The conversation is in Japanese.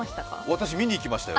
私見に行きましたよ。